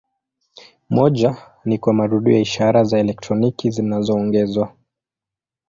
Moja ni kwa marudio ya ishara za elektroniki zinazoongezwa.